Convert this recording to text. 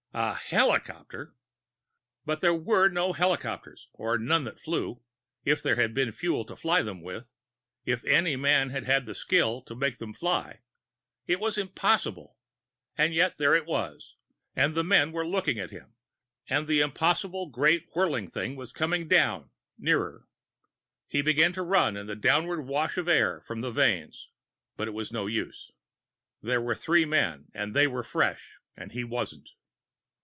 A helicopter! But there were no helicopters, or none that flew if there had been fuel to fly them with if any man had had the skill to make them fly. It was impossible! And yet there it was, and the men were looking at him, and the impossible great whirling thing was coming down, nearer. He began to run in the downward wash of air from the vanes. But it was no use. There were three men and they were fresh and he wasn't.